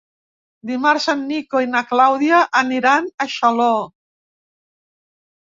Dimarts en Nico i na Clàudia aniran a Xaló.